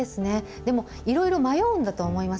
でも、いろいろ迷うんだと思うんです。